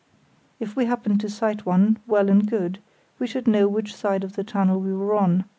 If we happened to sight one, well and good, we should know which side of the channel we were on.